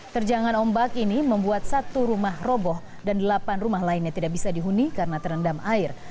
terjangan ombak ini membuat satu rumah roboh dan delapan rumah lainnya tidak bisa dihuni karena terendam air